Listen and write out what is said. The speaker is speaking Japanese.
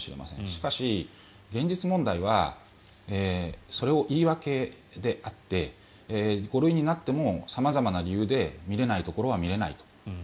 しかし、現実問題はそれは言い訳であって５類になっても様々な理由で診れないところは診れないと。